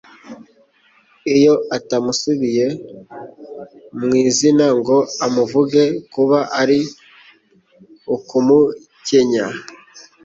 Iyo atamusubiye mu izina ngo amuvuge, kuba ari ukumukenya